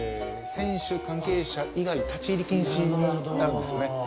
選手関係者以外立ち入り禁止になるんですね